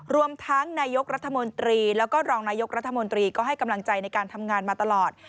รวมทั้งนายกรัฐมนตรีแล้วก็รองนายกรัฐมนตรีก็ให้กำลังใจในการทำงานมาตลอด